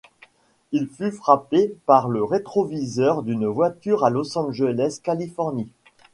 Il fut frappé par le rétroviseur d'une voiture à Los Angeles, Californie.